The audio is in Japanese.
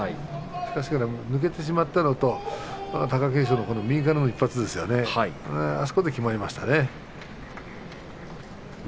抜けてしまったのと貴景勝の右からの一発あれで極まりましたね。